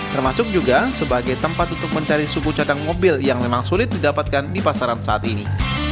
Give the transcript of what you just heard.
termasuk juga sebagai tempat untuk mencari suku cadang mobil yang memang sulit didapatkan di pasaran saat ini